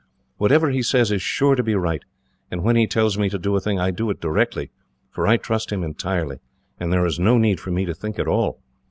Whatever he says is sure to be right, and when he tells me to do a thing I do it directly, for I trust him entirely, and there is no need for me to think at all.